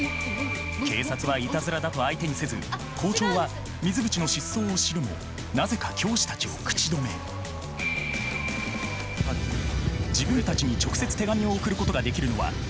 警察はイタズラだと相手にせず校長は水口の失踪を知るもなぜか教師たちを口止め自分たちに直接手紙を送ることができるのは教師だけ。